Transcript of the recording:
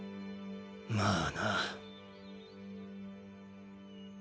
まあな。